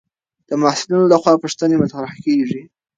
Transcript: د محصلینو لخوا پوښتنې مطرح کېږي.